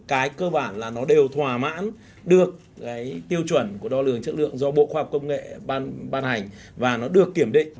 cái cơ bản là nó đều thỏa mãn được cái tiêu chuẩn của đo lường chất lượng do bộ khoa học công nghệ ban hành và nó được kiểm định